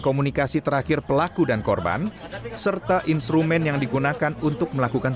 komunikasi terakhir pelaku dan korban serta instrumen yang digunakan untuk melakukan